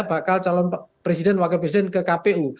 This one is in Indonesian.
bakal calon presiden wakil presiden ke kpu